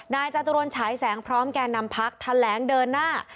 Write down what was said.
จตุรนฉายแสงพร้อมแก่นำพักแถลงเดินหน้า